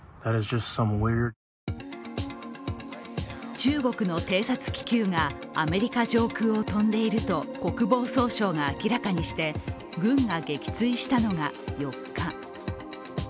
中国の偵察気球がアメリカ上空を飛んでいると国防総省が明らかにして軍が撃墜したのが４日。